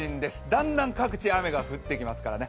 だんだん各地、雨が降ってきますからね。